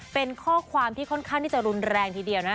เป็นข้อความที่ค่อนข้างที่จะรุนแรงทีเดียวนะ